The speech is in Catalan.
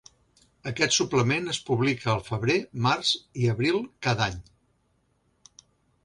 Aquest suplement es publica al Febrer, Març i Abril cada any.